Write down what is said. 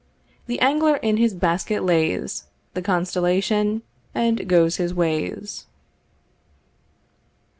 The angler in his basket lays The constellation, and goes his ways.